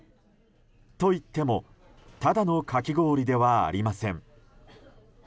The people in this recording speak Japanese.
といってもただのかき氷ではありません。